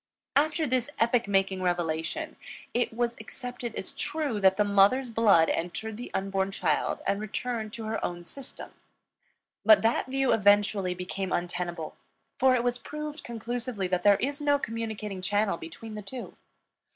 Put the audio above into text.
After this epoch making revelation, it was accepted as true that the mother's blood entered the unborn child and returned to her own system. But that view eventually became untenable, for it was proved conclusively that there is no communicating channel between the two.